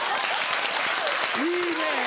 いいね！